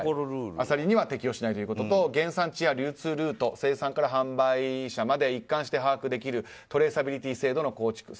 アサリには適用しないということと原産地や流通ルート生産から販売者まで一貫して把握できるトレーサビリティー制度の構築